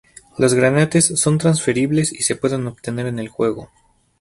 Los granates son transferibles y se pueden obtener en el juego.